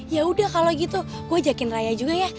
yaudah kalau gitu gue ajakin raya juga ya